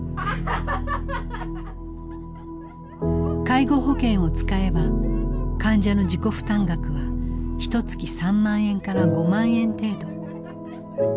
介護保険を使えば患者の自己負担額はひとつき３万円から５万円程度。